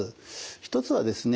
一つはですね